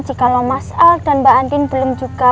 jikalau mas al dan mbak andin belum juga